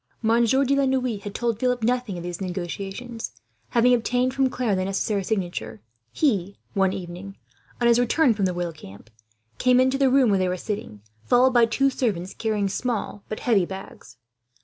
Monsieur de la Noue had told Philip nothing of these negotiations but, having obtained from Claire the necessary signature he, one evening, on his return from the royal camp, came into the room where they were sitting, followed by two servants carrying small, but heavy bags.